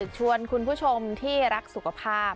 ชวนคุณผู้ชมที่รักสุขภาพ